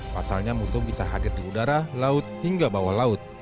pasalnya musuh bisa hadir di udara laut hingga bawah laut